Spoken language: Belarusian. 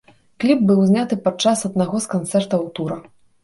Кліп быў зняты падчас аднаго з канцэртаў тура.